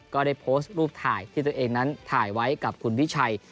ก็ได้โพสต์รูปถ่ายที่ตัวเองนั้นถ่ายไว้กับคุณวิชัย